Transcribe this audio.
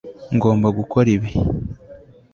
ngomba gukora ibi